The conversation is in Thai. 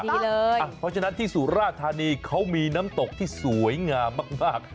เพราะฉะนั้นที่สุราธานีเขามีน้ำตกที่สวยงามมาก